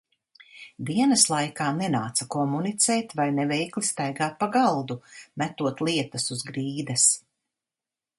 Dienas laikā nenāca komunicēt vai neveikli staigāt pa galdu, metot lietas uz grīdas.